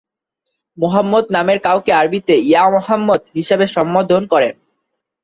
মোহাম্মদ নামের কাউকে আরবিতে "ইয়া মোহাম্মদ" হিসাবে সম্বোধন করেন।